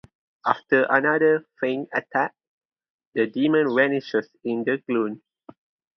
After another feigned attack, the demon vanishes in the gloom.